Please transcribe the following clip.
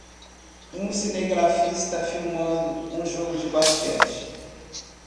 Um cinegrafista filmando um jogo de basquete.